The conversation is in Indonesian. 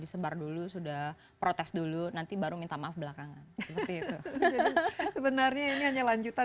disebar dulu sudah protes dulu nanti baru minta maaf belakangan seperti itu sebenarnya ini hanya lanjutan